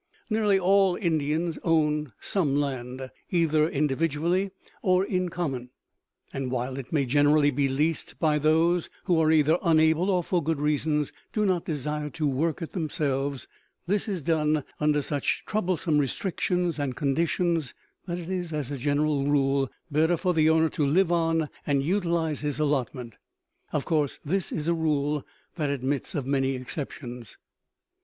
Nearly all Indians own some land, either individually or in common; and while it may generally be leased by those who are either unable or for good reasons do not desire to work it themselves, this is done under such troublesome restrictions and conditions that it is, as a general rule, better for the owner to live on and utilize his allotment. Of course this is a rule that admits of many exceptions.